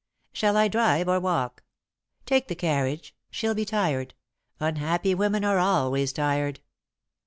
"Shall I drive, or walk?" "Take the carriage. She'll be tired. Unhappy women are always tired."